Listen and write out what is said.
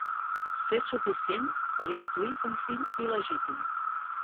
Ser suficient per intuir un fill il·legítim.